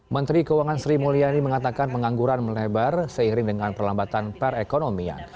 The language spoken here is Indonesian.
menteri keuangan sri mulyani mengatakan pengangguran melebar seiring dengan perlambatan perekonomian